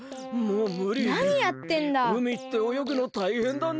うみっておよぐのたいへんだな。